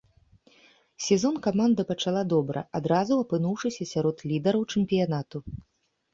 Сезон каманда пачала добра, адразу апынуўшыся сярод лідараў чэмпіянату.